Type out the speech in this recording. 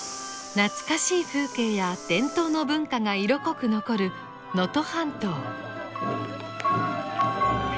懐かしい風景や伝統の文化が色濃く残る能登半島。